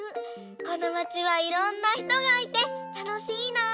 このまちはいろんなひとがいてたのしいな！